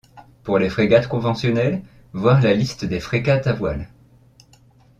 Pour les frégates conventionnelles, voir la liste des frégates à voiles.